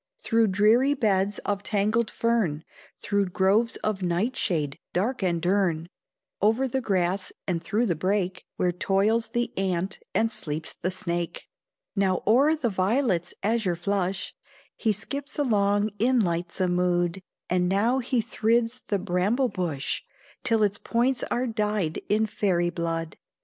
Through dreary beds of tangled fern, Through groves of nightshade dark and dern, Over the grass and through the brake, Where toils the ant and sleeps the snake; Now o'er the violet's azure flush He skips along in lightsome mood; And now he thrids the bramble bush, Till its points are dyed in fairy blood.